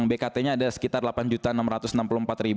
bkt nya ada sekitar rp delapan enam ratus enam puluh empat